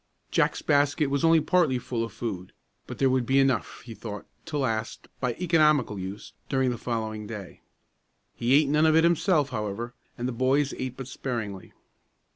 Jack's basket was only partly full of food, but there would be enough, he thought, to last, by economical use, during the following day. He ate none of it himself, however, and the boys ate but sparingly.